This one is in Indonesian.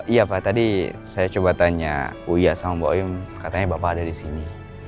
iya pak tadi saya coba tanya uya sama mbak wim katanya bapak ada di sini